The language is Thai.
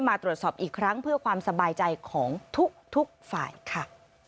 มาตรวจสอบอีกครั้งเพื่อความสบายใจของทุกฝ่ายค่ะ